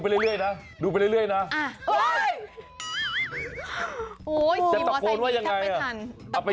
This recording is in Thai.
แล้วดูไปเรื่อยนะ